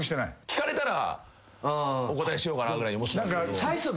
聞かれたらお答えしようかなぐらいに思ってたんですけど。